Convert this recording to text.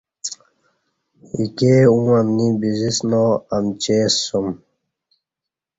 ایکے اوں امنی بزسنا امچے سُوم